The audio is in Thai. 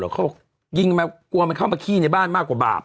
เขาบอกยิงกลัวมันเข้ามาขี้ในบ้านมากกว่าบาป